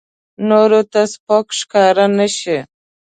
نورو ته سپک ښکاره نه شي.